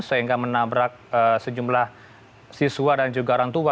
sehingga menabrak sejumlah siswa dan juga orang tua